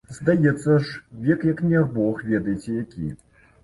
Здаецца ж, век як не бог ведаеце які.